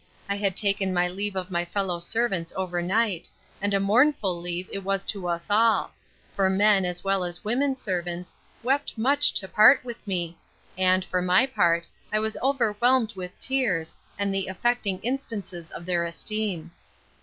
I had taken my leave of my fellow servants overnight; and a mournful leave it was to us all: for men, as well as women servants, wept much to part with me; and, for my part, I was overwhelmed with tears, and the affecting instances of their esteem.